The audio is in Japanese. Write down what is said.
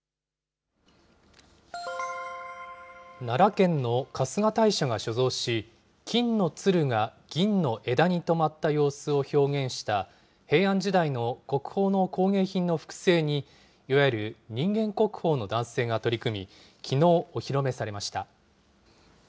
奈良県の春日大社が所蔵し、金の鶴が銀の枝に止まった様子を表現した、平安時代の国宝の工芸品の複製に、いわゆる人間国宝の男性が取り組み、きのう、お披露目されました。